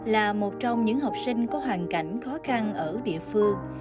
là một trong những học sinh có hoàn cảnh khó khăn ở địa phương